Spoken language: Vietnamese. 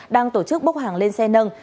đang tổ chức bốc hàng lên xe nâng